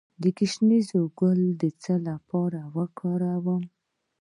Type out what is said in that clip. د ګشنیز ګل د څه لپاره وکاروم؟